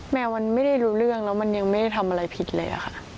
แมวมันไม่ได้รู้เรื่องแล้วมันยังไม่ได้ทำอะไรผิดเลยค่ะ